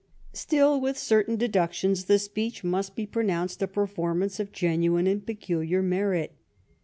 Still, with certain deductions, the speech must be pronounced a performance of genuine and peculiar merit.'